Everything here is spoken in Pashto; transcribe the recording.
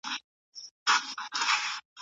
که چا بل کس ته وويل، چي له حرامو څخه ځان ساته.